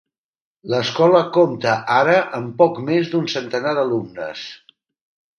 L'escola compta ara amb poc més d'un centenar d'alumnes.